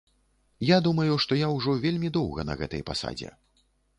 Я думаю, што я ўжо вельмі доўга на гэтай пасадзе.